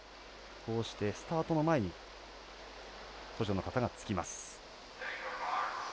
こうしてスタートの前に補助の方がつきます。